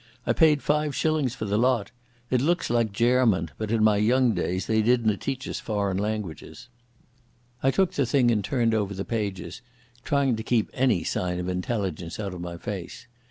I paid five shillings for the lot. It looks like Gairman, but in my young days they didna teach us foreign languages." I took the thing and turned over the pages, trying to keep any sign of intelligence out of my face.